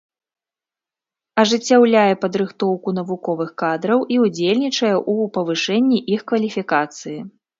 Ажыццяўляе падрыхтоўку навуковых кадраў і ўдзельнічае ў павышэнні іх кваліфікацыі.